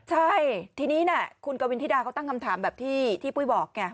ใช่ทีนี้คุณกวินธิดาเขาตั้งคำถามแบบที่ปุ้ยบอกไง